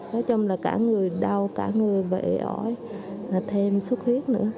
nói chung là cả người đau cả người vệ ỏi là thêm xuất huyết nữa